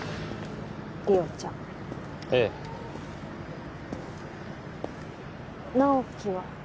莉桜ちゃんええ直木は？